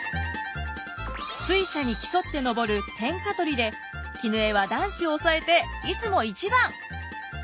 水車に競って登る「天下取り」で絹枝は男子を抑えていつも１番。